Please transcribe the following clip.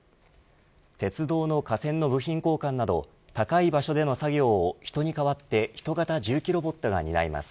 鉄道の架線の部品交換など高い場所での作業を人に代わって人型重機ロボットが担います。